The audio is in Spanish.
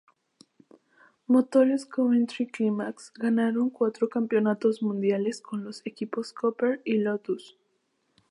Motores Coventry Climax ganaron cuatro campeonatos mundiales con los equipos Cooper y Lotus.